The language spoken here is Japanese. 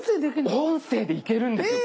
音声でいけるんです！